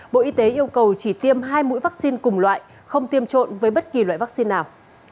bộ y tế yêu cầu chỉ tiêm hai mũi vắc xin cùng loại không tiêm trộn với bất kỳ loại vắc xin nào